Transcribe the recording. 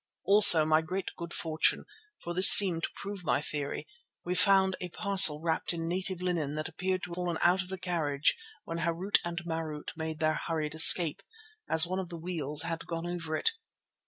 Also my great good fortune, for this seemed to prove my theory, we found a parcel wrapped in native linen that appeared to have fallen out of the carriage when Harût and Marût made their hurried escape, as one of the wheels had gone over it.